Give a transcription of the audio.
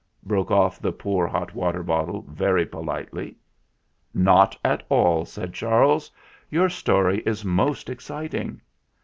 broke off the poor hot water bottle very politely. "Not at all," said Charles. "Your story is most exciting."